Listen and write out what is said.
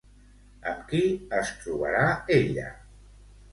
Amb qui es trobarà ella?